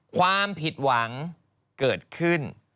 ความผิดหวังเกิดขึ้น